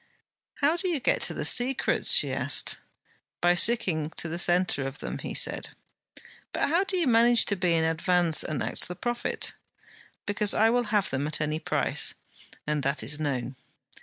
'How do you get to the secrets?' she asked. 'By sticking to the centre of them,' he said. 'But how do you manage to be in advance and act the prophet?' 'Because I will have them at any price, and that is known.'